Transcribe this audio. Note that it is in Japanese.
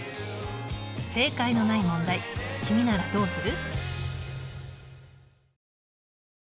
正解のない問題君ならどうする？